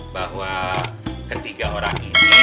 bahwa ketiga orang ini